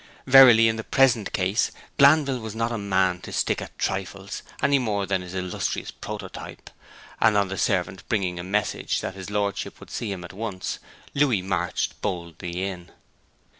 Verily in the present case Glanville was not a man to stick at trifles any more than his illustrious prototype; and on the servant bringing a message that his lordship would see him at once, Louis marched boldly in.